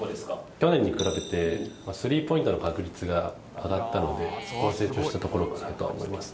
去年に比べてスリーポイントの確率が上がったので、そこは成長したところかなと思いますね。